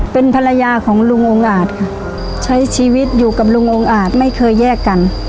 เป็นภรรยาของลุงองค์อาจค่ะใช้ชีวิตอยู่กับลุงองค์อาจไม่เคยแยกกัน